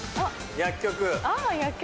薬局。